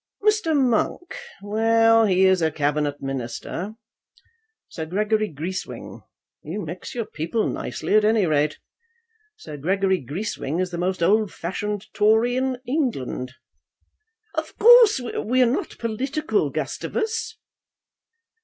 Mr. Monk; well, he is a Cabinet Minister. Sir Gregory Greeswing; you mix your people nicely at any rate. Sir Gregory Greeswing is the most old fashioned Tory in England." "Of course we are not political, Gustavus."